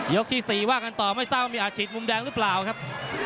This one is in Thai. ยกที่สี่ว่ากันต่อไม่เศร้ามีอาชิตมุมแดงหรือเปล่าครับ